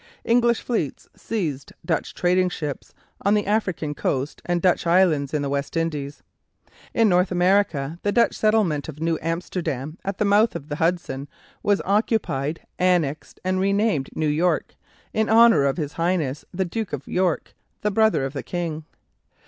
English fleets seized Dutch trading ships on the African coast and Dutch islands in the West Indies. In North America the Dutch settlement of New Amsterdam, at the mouth of the Hudson, was occupied, annexed, and renamed New York in honour of His Highness the Duke of York, the brother of the King.